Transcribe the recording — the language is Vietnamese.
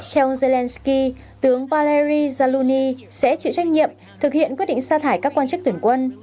theo ông zelensky tướng palari zaluni sẽ chịu trách nhiệm thực hiện quyết định xa thải các quan chức tuyển quân